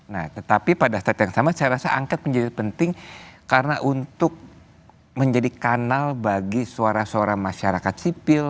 nah tetapi pada saat yang sama saya rasa angket menjadi penting karena untuk menjadi kanal bagi suara suara masyarakat sipil